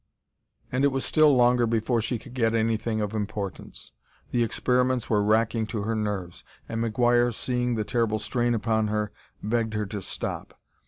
And it was still longer before she could get anything of importance. The experiments were racking to her nerves, and McGuire, seeing the terrible strain upon her, begged her to stop.